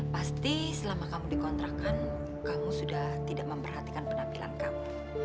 pasti selama kamu di kontrakan kamu sudah tidak memperhatikan penampilan kamu